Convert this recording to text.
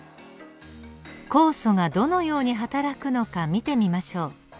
酵素がどのように働くのか見てみましょう。